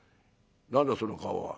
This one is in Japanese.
何だその顔は。